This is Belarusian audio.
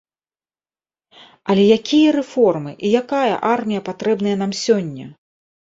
Але якія рэформы і якая армія патрэбная нам сёння?